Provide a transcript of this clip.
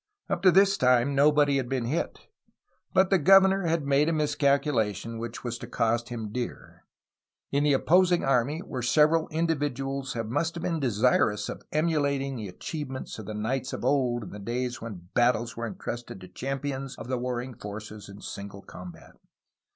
Up to this time nobody had been hit. But the governor had made a miscalculation which was to cost him dear. In the opposing army there were several individuals who must have been desirous of emulating the achievements of the knights of old, in the days when battles were entrusted to champions of the warring forces in single combat.